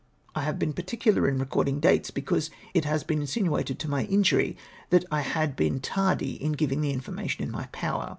I have been particular in recording dates, because it has been insinuated to my injury that I had been tardy in giving the information in my power.